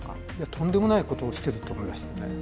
とんでもないことをしていると思いました。